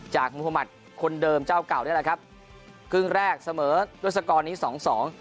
มุธมัติคนเดิมเจ้าเก่านี่แหละครับครึ่งแรกเสมอด้วยสกอร์นี้สองสอง